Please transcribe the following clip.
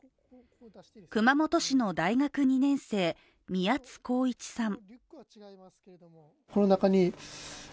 熊本市の大学２年生、宮津航一さん。